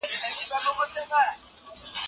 د پوهي لیږد یوازي د کتاب له لاري نه کیږي.